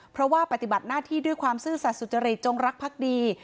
เพราะว่าปฏิบัติหน้าที่ด้วยความซื่อสัตว์สุจริตจงรักพักดี